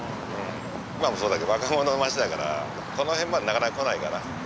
今もそうだけど若者の街だからこの辺までなかなか来ないかな。